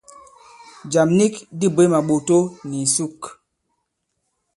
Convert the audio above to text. Jàm nik dī bwě màɓòto nì ìsuk.